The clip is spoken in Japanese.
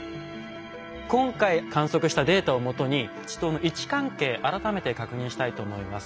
今回観測したデータをもとに池溏の位置関係改めて確認したいと思います。